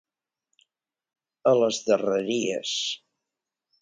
A les darreries.